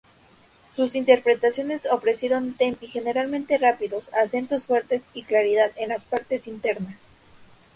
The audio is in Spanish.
Sus interpretaciones ofrecieron "tempi" generalmente rápidos, acentos fuertes y claridad en las partes internas.